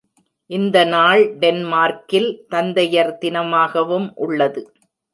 இந்த நாள் டென்மார்க்கில் தந்தையர் தினமாகவும் உள்ளது.